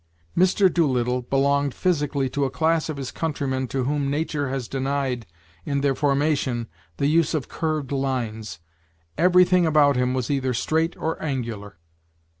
Mr. Doolittle belonged physically to a class of his countrymen, to whom Nature has denied, in their formation, the use of curved lines. Every thing about him was either straight or angular.